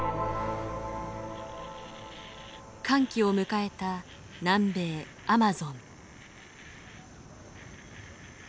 乾季を迎えた南米アマゾン。